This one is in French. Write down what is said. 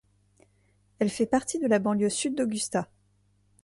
Elle fait partie de la banlieue sud d'Augusta.